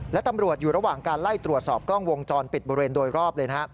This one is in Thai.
และตำรวจอยู่ระหว่างการไล่ตรวจสอบกล้องวงจรปิดบริเวณโดยรอบเลยนะฮะ